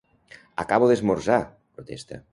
Acabo d'esmorzar! —protesta.